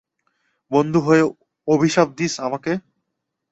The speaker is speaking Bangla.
বন্ধু হয়ে অভিশাপ দিছ আমাকে!